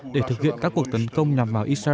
để thực hiện các cuộc tấn công nhằm vào israel